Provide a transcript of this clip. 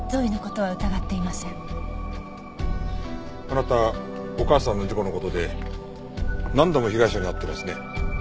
あなたお母さんの事故の事で何度も被害者に会ってますね。